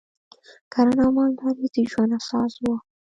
کرنه او مالداري د ژوند اساس و